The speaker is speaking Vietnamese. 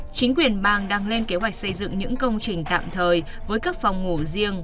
chính quyền bang đang lên kế hoạch xây dựng những công trình tạm thời với các phòng ngủ riêng